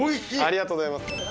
ありがとうございます。